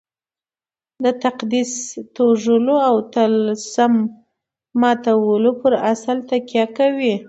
د تقدس توږلو او طلسم ماتولو پر اصل تکیه کوي.